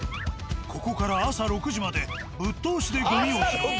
ここから朝６時までぶっ通しでゴミを拾い